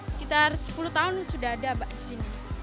sekitar sepuluh tahun sudah ada mbak di sini